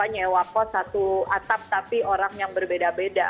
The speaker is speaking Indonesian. nyewap kos satu atap tapi orang yang berbeda beda